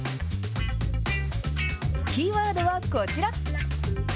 キーワードはこちら。